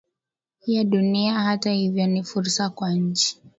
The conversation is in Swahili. ya dunia Hata hivyo ni fursa kwa nchi